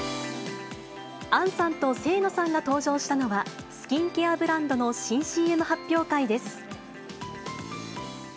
杏さんと清野さんが登場したのは、スキンケアブランドの新ＣＭ発表会です。